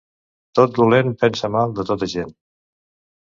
Tot dolent pensa mal de tota gent.